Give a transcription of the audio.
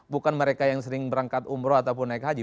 bukan mereka yang sering berangkat umroh ataupun naik haji